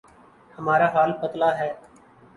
ہمارا حال پتلا ہے۔